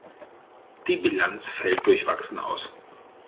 Die Bilanz fällt durchwachsen aus.